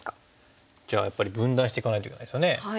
じゃあやっぱり分断していかないといけないですよね。